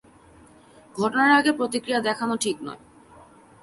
ঘটনার আগে প্রতিক্রিয়া দেখানো ঠিক নয়।